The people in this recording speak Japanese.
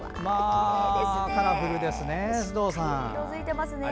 カラフルですね。